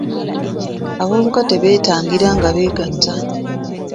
Abavubuka tebeetangira nga beegatta.